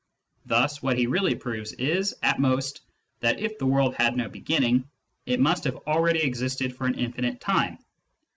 Thus what he really proves is, at most, that if the world had no beginning, it must have already existed for an infinite time.